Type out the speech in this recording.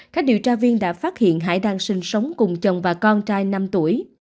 các điều tra viên đã phát hiện hải đang sinh sống cùng chồng và con trai năm tuổi